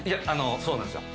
そうなんですよ。